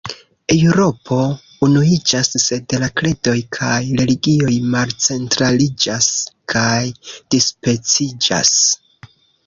Eŭropo unuiĝas, sed la kredoj kaj religioj malcentraliĝas kaj dispeciĝas.